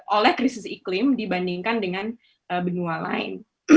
oleh krisis iklim dibandingkan dengan benua lain